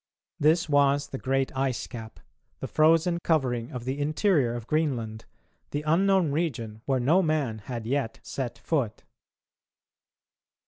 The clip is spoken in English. This was the great ice cap, the frozen covering of the interior of Greenland, the unknown region where no man had yet set foot.